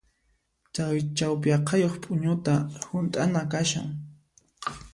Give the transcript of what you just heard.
Chay chawpi aqhayuq p'uñuta hunt'ana kashan.